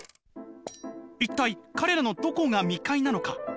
「一体彼らのどこが未開なのか？